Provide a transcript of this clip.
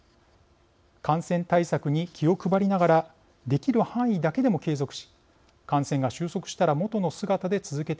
感染対策に気を配りながらできる範囲だけでも継続し感染が収束したら元の姿で続けていってほしい。